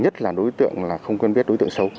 nhất là đối tượng không biết đối tượng xấu